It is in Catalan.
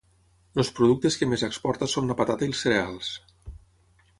Els productes que més exporta són la patata i els cereals.